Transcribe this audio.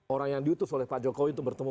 orang yang diutus oleh pak jokowi untuk bertemu